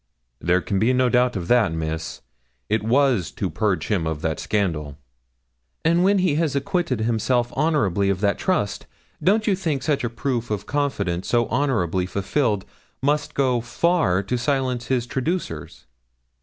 'There can be no doubt of that, Miss; it was to purge him of that scandal.' 'And when he has acquitted himself honourably of that trust, don't you think such a proof of confidence so honourably fulfilled must go far to silence his traducers?'